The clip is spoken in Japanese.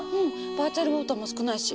バーチャルウォーターも少ないし。